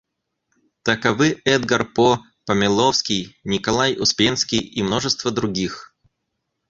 Таковы Эдгар По, Помяловский, Николай Успенский и множество других.